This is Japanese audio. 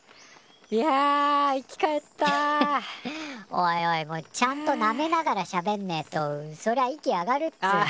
おいおいちゃんとなめながらしゃべんねえとそりゃ息上がるっつの。